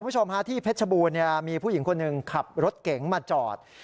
คุณผู้ชมฮะที่เพชรบูรณ์มีผู้หญิงคนหนึ่งขับรถเก๋งมาจอด